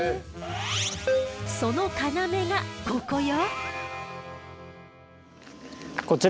その要がここよ。